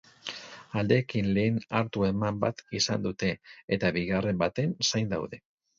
Aldeekin lehen hartu eman bat izan dute, eta bigarren baten zain daude.